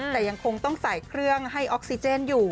แต่ยังคงต้องใส่เครื่องให้ออกซิเจนอยู่